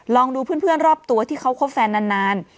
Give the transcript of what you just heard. ลองดูเพื่อนรอบตัวที่เขาคบแฟนนาน